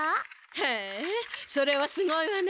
へえそれはすごいわね。